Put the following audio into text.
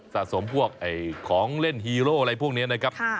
สะสมพวกของเล่นฮีโร่อะไรพวกนี้นะครับ